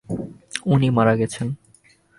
উনি মারা গেছেন।